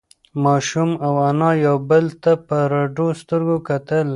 ماشوم او انا یو بل ته په رډو سترگو کتل.